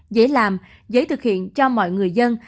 dễ làm dễ thực hiện cho mọi người dân